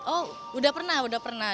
oh udah pernah udah pernah